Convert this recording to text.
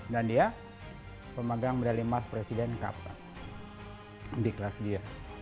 dan dia pemegang medali emas presiden cup di kelas dia